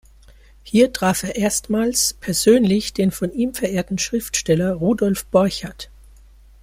Hier traf er erstmals persönlich den von ihm verehrten Schriftsteller Rudolf Borchardt.